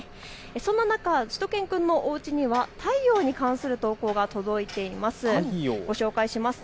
そんな中、しゅと犬くんのおうちには太陽に関する投稿が届いています。